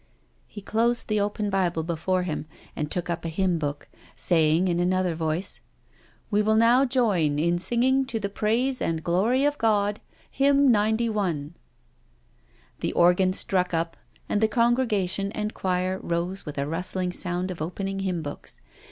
*' He closed the open Bible before him, and took up a hymn book, saying in another voice, '* We will now join in singing to the praise and glory of God, hymn 91." The organ struck up, and the congregation and choir rose with a rustling sound of opening hymn books.